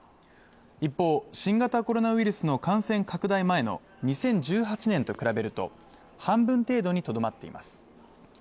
一方、新型コロナウイルスの感染拡大前の２０１８年と比べると半分程度にとどまっています。